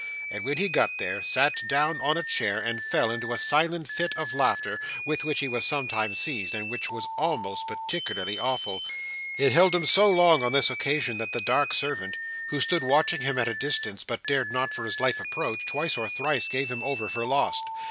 And when he got there, sat down in a chair, and fell into a silent fit of laughter, with which he was sometimes seized, and which was always particularly awful. It held him so long on this occasion that the dark servant, who stood watching him at a distance, but dared not for his life approach, twice or thrice gave him over for lost.